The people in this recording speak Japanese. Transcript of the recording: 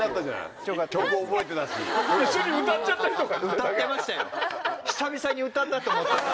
一緒に歌っちゃったりとか。